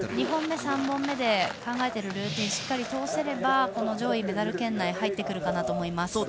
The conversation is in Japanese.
２本目、３本目で考えているルーティンをしっかり通せれば上位メダル圏内に入ってくるかなと思います。